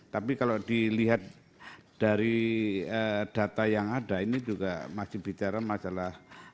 tapi kalau dilihat dari data yang ada ini juga masih bicara masalah